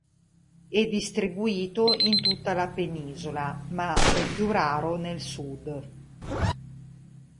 È distribuito in tutta la penisola, ma è più raro nel Sud.